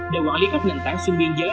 để quản lý các nền tảng xuyên biên giới